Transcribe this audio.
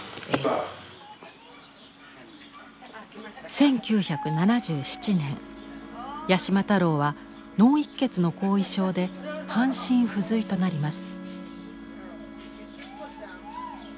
１９７７年八島太郎は脳いっ血の後遺症で半身不随となります。